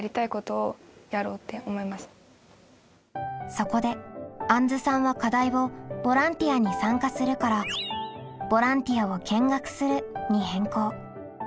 そこであんずさんは課題を「ボランティアに参加する」から「ボランティアを見学する」に変更。